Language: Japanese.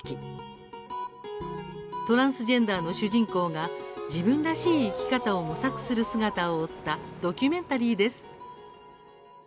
トランスジェンダーの主人公が自分らしい生き方を模索する姿を追ったドキュメンタリーです。